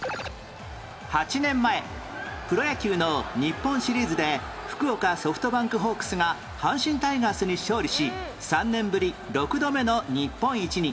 ８年前プロ野球の日本シリーズで福岡ソフトバンクホークスが阪神タイガースに勝利し３年ぶり６度目の日本一に